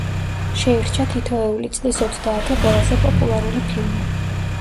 შეირჩა თითოეული წლის ოცდაათი ყველაზე პოპულარული ფილმი.